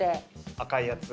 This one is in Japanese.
赤いやつ。